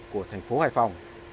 của thành phố hải phòng